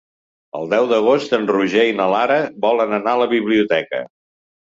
El deu d'agost en Roger i na Lara volen anar a la biblioteca.